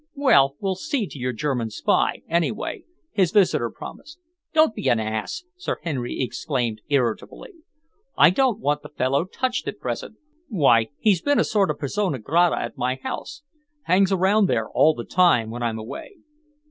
"Well, we'll see to your German spy, anyway," his visitor promised. "Don't be an ass!" Sir Henry exclaimed irritably. "I don't want the fellow touched at present. Why, he's been a sort of persona grata at my house. Hangs around there all the time when I'm away."